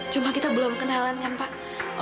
cuma kita belum kenalan kan pak